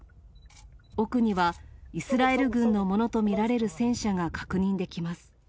奥にはイスラエル軍のものと見られる戦車が確認できます。